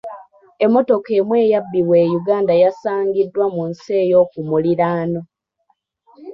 Emmotoka emu yabbibwa e Uganda yasangiddwa mu nsi ey'okumuliraano.